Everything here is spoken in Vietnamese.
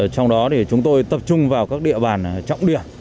trong đó chúng tôi tập trung vào các địa bàn trọng điểm